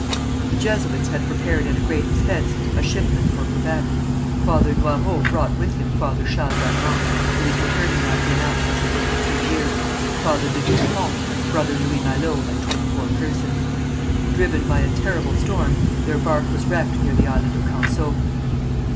The Jesuits had prepared at a great expense a shipment for Quebec. Father Noyrot brought with him Father Charles Lalemant, who was returning after an absence of nearly two years, Father de Vieux Pont, Brother Louis Malot and twenty four persons. Driven by a terrible storm, their barque was wrecked near the Island of Canseau.